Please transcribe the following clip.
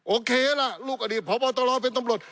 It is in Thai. โอเคล่ะลูกอดีตพบตรเป็นตำรวจ